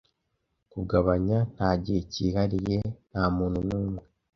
Kugabanya nta gihe cyihariye. Nta muntu n'umwe